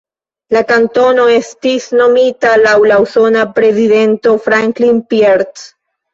La kantono estis nomita laŭ la usona prezidento Franklin Pierce.